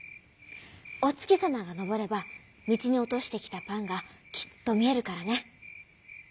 おつきさまがのぼればみちにおとしてきたパンがきっとみえるからね」。